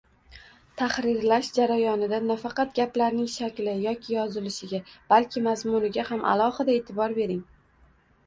Tahrirlash jarayonida nafaqat gaplarning shakli yoki yozilishiga, balki mazmunga ham alohida e’tibor bering